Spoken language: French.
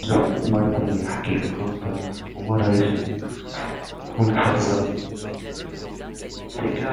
Grâce à ses connaissances linguistiques, il joue le rôle de Secrétaire aux Relations Internationales.